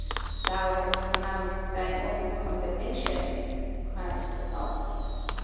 "Thou hast pronounced thine own condemnation," cried the Sultan.